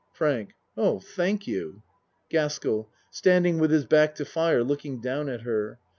FRANK Oh, thank you. GASKELL (Standing with his back to fire look ing down at her.)